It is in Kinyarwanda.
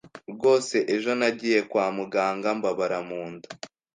rwose ejo nagiye kwa muganga mbabara mu nda,